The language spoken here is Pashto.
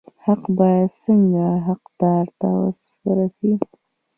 حق باید څنګه حقدار ته ورسي؟